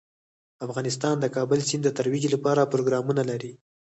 افغانستان د د کابل سیند د ترویج لپاره پروګرامونه لري.